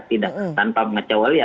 tidak tanpa mengecewali